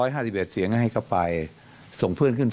มันเกินกว่าเหตุ